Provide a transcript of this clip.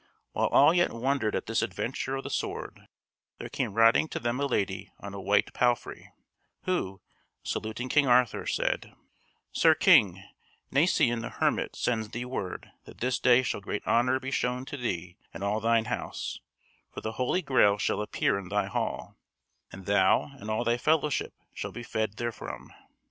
While all yet wondered at this adventure of the sword, there came riding to them a lady on a white palfrey who, saluting King Arthur, said: "Sir King, Nacien the hermit sends thee word that this day shall great honour be shown to thee and all thine house; for the Holy Grail shall appear in thy hall, and thou and all thy fellowship shall be fed therefrom."